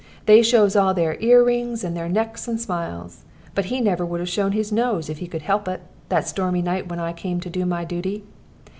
They shows all their ear rings, and their necks, and smiles. But he never would have shown his nose, if he could help it, that stormy night when I come to do my duty.